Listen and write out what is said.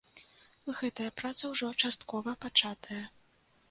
Гэтая праца ўжо часткова пачатая.